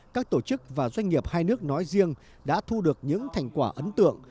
các tổ chức và doanh nghiệp hai nước nói riêng đã thu được những thành quả ấn tượng